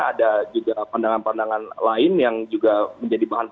ada juga pandangan pandangan lain yang juga menjadi bahan